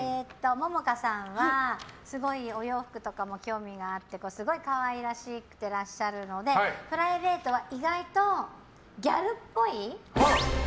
桃花さんはすごいお洋服とかも興味があってすごく可愛らしくしてらっしゃるのでプライベートは意外とギャルっぽい。